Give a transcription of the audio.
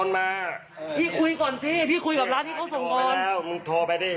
เอ้าพี่สั่งที่ไหนพี่ก็โทรไปสิ